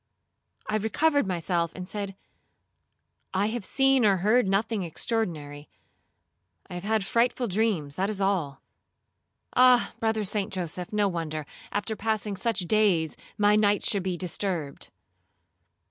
I recovered myself, and said, 'I have seen or heard nothing extraordinary. I have had frightful dreams, that is all. Ah! Brother St. Joseph, no wonder, after passing such days, my nights should be disturbed.'